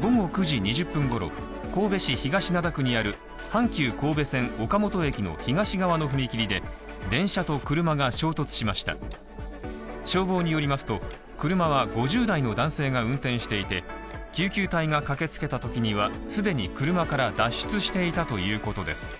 午後９時２０分ごろ神戸市東灘区にある阪急神戸線岡本駅の東側の踏切で電車と車が衝突しました消防によりますと車は５０代の男性が運転していて救急隊が駆けつけたときにはすでに車から脱出していたということです